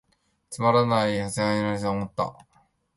つまらない、癈せばいゝのにと思つた。